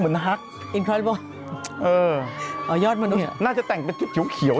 รักใส่สีเขียว